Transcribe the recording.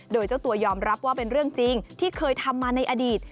โดยเจ้าตัวยอมรับว่าเป็นเรื่องจริงที่เคยทำมาในอดีต